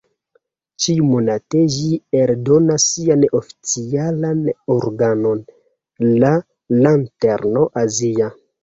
Ĉiumonate ĝi eldonas sian oficialan organon "La Lanterno Azia".